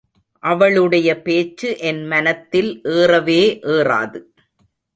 அவளுடைய பேச்சு என் மனத்தில் ஏறவே ஏறாது.